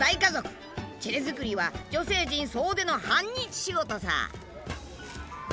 チェレ作りは女性陣総出の半日仕事さ。